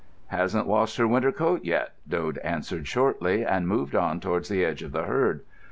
"Hasn't lost her winter coat yet," Dode answered shortly, and moved on towards the edge of the herd.